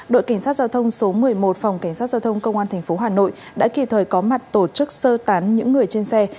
đội cảnh sát giao thông số một mươi một phòng cảnh sát giao thông công an tp hà nội đã kịp thời có mặt tổ chức sơ tán những người trên xe